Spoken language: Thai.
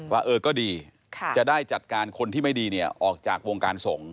ว่าเออก็ดีจะได้จัดการคนที่ไม่ดีเนี่ยออกจากวงการสงฆ